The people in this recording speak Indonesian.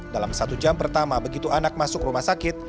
dalam satu jam pertama begitu anak masuk rumah sakit